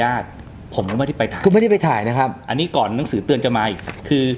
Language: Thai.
อันนี้ก่อนหนังสือเตือนจะมาอีก